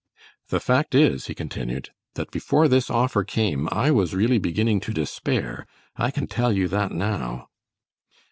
"The fact is," he continued, "that before this offer came I was really beginning to despair. I can tell you that now."